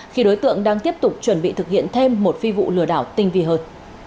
khi đối tượng đang tiếp tục chuẩn bị thực hiện thêm một phi vụ lừa đảo tinh vi hợt